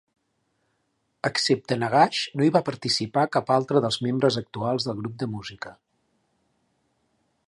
Excepte Nagash, no hi va participar cap altre dels membres actuals del grup de música.